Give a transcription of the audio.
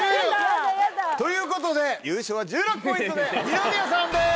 ヤダヤダ！ということで優勝は１６ポイントで二宮さんです。